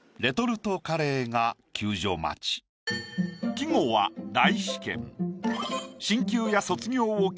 季語は「大試験」。